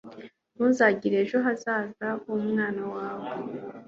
ntuzagira ejo hazaza h'umwana wawe